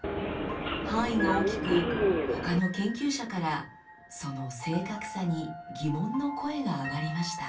範囲が大きくほかの研究者からその正確さに疑問の声が上がりました。